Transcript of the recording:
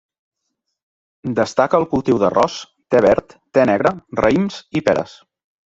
Destaca el cultiu d'arròs, te verd, te negre, raïms i peres.